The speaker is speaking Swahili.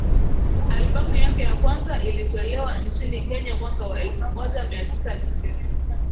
Albamu yake ya kwanza ilitolewa nchini Kenya mwaka wa elfu moja mia tisa tisini